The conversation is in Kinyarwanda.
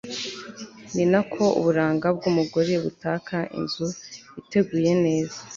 ni na ko uburanga bw'umugore butaka inzu iteguye neza